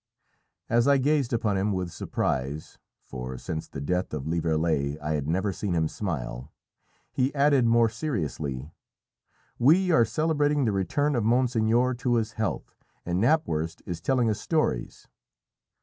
As I gazed upon him with surprise for since the death of Lieverlé I had never seen him smile he added more seriously "We are celebrating the return of monseigneur to his health, and Knapwurst is telling us stories."